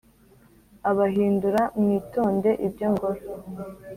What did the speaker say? Abahindura mwitonde ibyomukora.